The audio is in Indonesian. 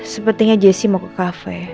sepertinya jessi mau ke cafe